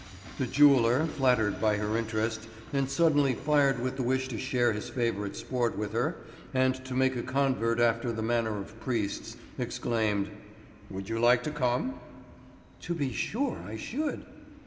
The jeweller, flattered by her interest and suddenly fired with the wish to share his favourite sport with her, and to make a convert after the manner of priests, exclaimed: "Would you like to come?" "To be sure I should."